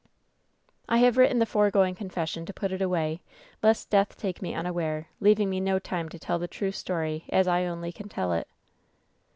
"I have written the foregoing confession to put it away, lest death take me unaware, leaving me no time to tell the true story as I only can tell it.